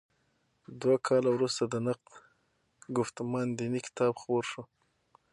دوه کاله وروسته د نقد ګفتمان دیني کتاب خپور شو.